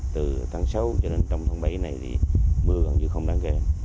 từ tháng sáu cho đến trong tháng bảy này thì mưa gần như không đáng kể